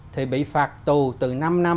thì bị phạt tù từ năm năm